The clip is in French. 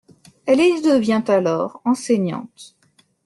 Elle y devient alors enseignante.